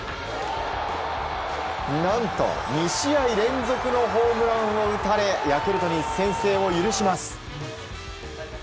何と２試合連続のホームランを打たれヤクルトに先制を許します。